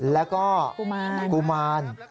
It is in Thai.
แล้วกุมาน